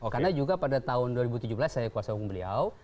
karena juga pada tahun dua ribu tujuh belas saya kuasa hukum beliau